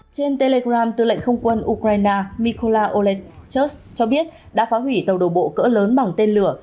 trên telegram tư lệnh không quân ukraine mikola olechust cho biết đã phá hủy tàu đổ bộ cỡ lớn bằng tên lửa